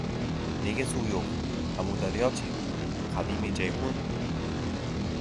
— Nega suv yo‘q? Amudaryo-chi? Qadimiy Jayhun?